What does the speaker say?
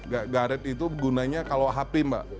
garret itu gunanya kalau hp mbak